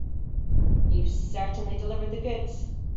You certainly delivered the goods.